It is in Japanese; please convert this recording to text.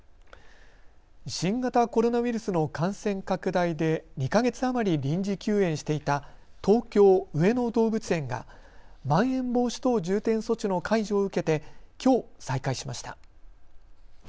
新型コロナウイルスの感染拡大で２か月余り臨時休園していた東京・上野動物園がまん延防止等重点措置の解除を受けてきょう再開しました。